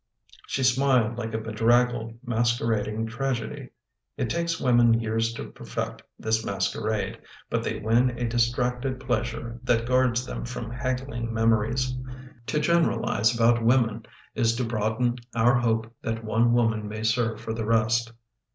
She smiled like a bedraggled, masquerading tragedy. It takes women years to perfect this masquerade, but they win a distracted pleasure that guards them from haggling memories. To generalize about women is to broaden our hope that one woman may serve for the rest.